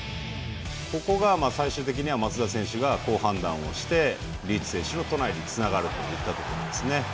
そして最終的に松田選手が好判断してリーチ選手のトライにつながるといったところですね。